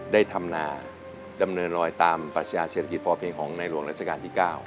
ทำนาดำเนินรอยตามปรัชญาเศรษฐกิจพอเพียงของในหลวงราชการที่๙